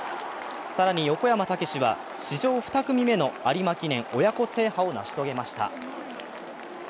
更に横山武史は史上２組目の有馬記念親子制覇を成し遂げました。